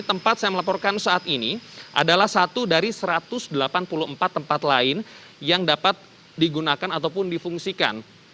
tempat saya melaporkan saat ini adalah satu dari satu ratus delapan puluh empat tempat lain yang dapat digunakan ataupun difungsikan